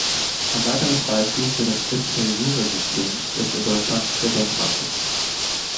Ein weiteres Beispiel für das "Ipso-iure"-System ist in Deutschland der Denkmalschutz.